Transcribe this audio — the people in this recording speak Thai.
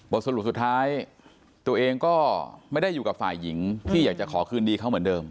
สรุปสุดท้ายตัวเองก็ไม่ได้อยู่กับฝ่ายหญิงที่อยากจะขอคืนดีเขาเหมือนเดิม